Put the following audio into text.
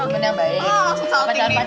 ya sebagai temen yang baik